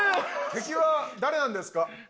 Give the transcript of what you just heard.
敵は誰なんですか？